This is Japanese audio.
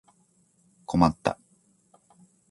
困った